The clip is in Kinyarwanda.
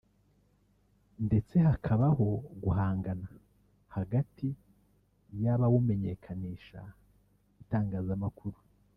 ndetse hakabaho guhangana hagati y’abawumenyekanisha (itangazamakuru)